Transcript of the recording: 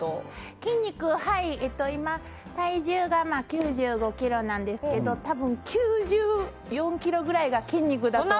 今、体重が９５ｋｇなんですけど多分９４ｋｇぐらいが筋肉だと。